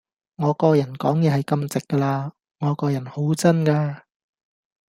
我個人講嘢係咁直㗎喇，我個人好真㗎